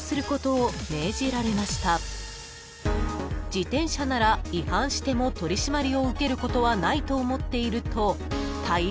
［自転車なら違反しても取り締まりを受けることはないと思っていると大変なことになるんです］